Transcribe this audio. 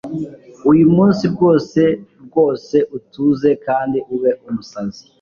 Uyu munsi rwose rwoseutuze kandi ube UMUSAZI